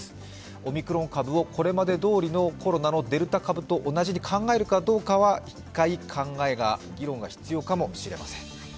オミクロン株をこれまでどおりのコロナのデルタ株と同じに考えるかどうか１回議論が必要かもしれません。